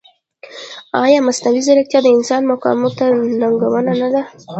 ایا مصنوعي ځیرکتیا د انسان مقام ته ننګونه نه ده؟